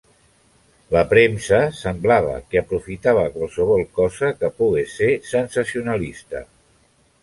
La premsa semblava que aprofitava qualsevol cosa que pogués ser sensacionalista.